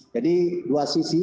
jadi dua sisi